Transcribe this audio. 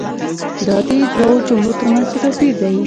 دا دي دوو جملو تر منځ څه توپیر دی؟